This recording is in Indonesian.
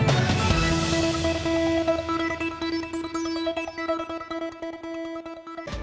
terima kasih pak